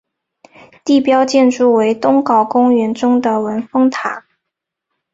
地标建筑为东皋公园中的文峰塔。